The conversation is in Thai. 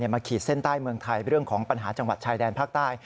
ขีดเส้นใต้เมืองไทยเรื่องของปัญหาจังหวัดชายแดนภาคใต้